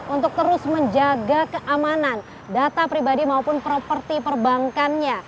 untuk terus menjaga keamanan data pribadi maupun properti perbankannya